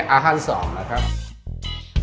อันนี้อฮันท์๒นะครับ